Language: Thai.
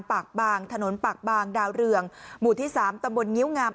ปากบางถนนปากบางดาวเรืองหมู่ที่๓ตำบลงิ้วงาม